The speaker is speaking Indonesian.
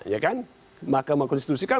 ya kan mahkamah konstitusi kan